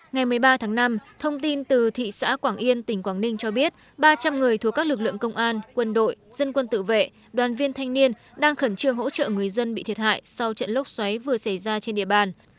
ngày một mươi ba tháng năm thông tin từ thị xã quảng yên tỉnh quảng ninh cho biết ba trăm linh người thuộc các lực lượng công an quân đội dân quân tự vệ đoàn viên thanh niên đang khẩn trương hỗ trợ người dân bị thiệt hại sau trận lốc xoáy vừa xảy ra trên địa bàn